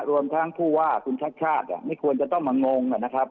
รวมทั้งผู้ว่าคุณชาติชาติไม่ควรจะต้องมางงนะครับ